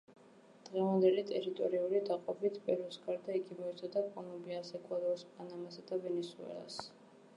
დღევანდელი ტერიტორიული დაყოფით პერუს გარდა იგი მოიცავდა კოლუმბიას, ეკვადორს, პანამასა და ვენესუელას.